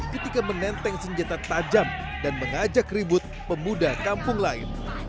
ketika menenteng senjata tajam dan mengajak ribut pemuda kampung lain